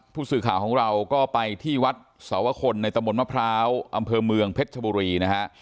ผู้สื่อข่าวของเราก็ไปที่วัดสวคลในตะมนต์มะพร้าวอำเภอเมืองเพชรชบุรีนะฮะ